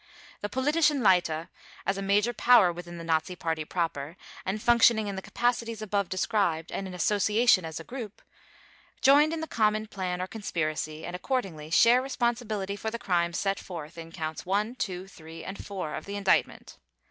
The Politischen Leiter, as a major power within the Nazi Party proper, and functioning in the capacities above described and in association as a group, joined in the common plan or conspiracy, and accordingly share responsibility for the crimes set forth in Counts One, Two, Three, and Four of the Indictment.